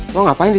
mau ngapain disini